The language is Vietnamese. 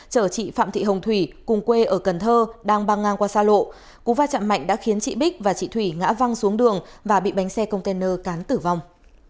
chở chị phạm thị hồng thủy cùng quê ở cần thơ đang băng ngang qua xa lộ cú va chạm mạnh đã khiến chị bích và chị thủy ngã văng xuống đường và bị bánh xe container cán tử vong